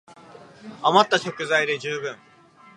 あまった食材で充分